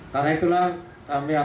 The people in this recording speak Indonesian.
karena itulah kami berharap